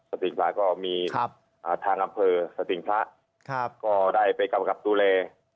ครับก็มีทางกำเภอก็ได้ไปกำกับดูแล